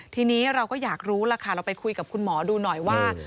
ทีนี้เราก็อยากรู้ล่ะค่ะเราไปคุยกับคุณหมอดูหน่อยว่า